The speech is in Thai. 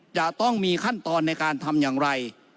จะต้องมีขั้นตอนในการทำอย่างไร